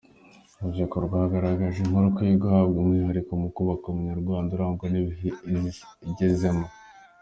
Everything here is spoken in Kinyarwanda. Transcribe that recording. Urubyiruko rwagaragajwe nk’urukwiye guhabwa umwihariko mu kubaka Umunyarwanda urangwa n’ibihe Isi igezemo.